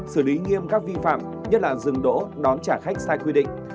xử lý nghiêm các vi phạm nhất là dừng đỗ đón trả khách sai quy định